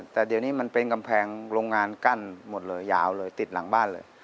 แต่เดี๋ยวนี้มันเป็นกำแพงโรงงานกั้นหมดเลยยาวเลยติดหลังบ้านเลย